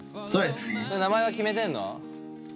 名前は決めてんの？